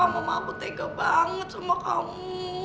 mama aku tega banget sama kamu